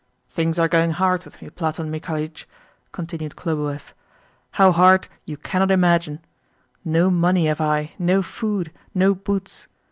"Things are going hard with me, Platon Mikhalitch," continued Khlobuev. "How hard you cannot imagine. No money have I, no food, no boots.